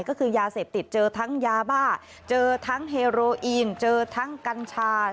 ก็คือยาเสพติดเจอทั้งยาบ้าเจอทั้งเฮโรอีนเจอทั้งกัญชา